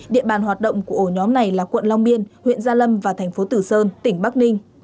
địa bàn hoạt động của ổ nhóm này là quận long biên huyện gia lâm và thành phố tử sơn tỉnh bắc ninh